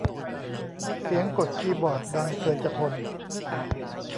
เสียงกดคีย์บอร์ดดังเกินจะทน